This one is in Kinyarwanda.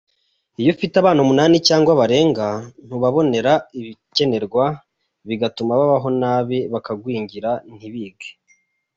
Iyo ufite abana umunani cyangwa barenga, ntubabonera ibikenerwa bigatuma babaho nabi, bakagwingira, ntibige.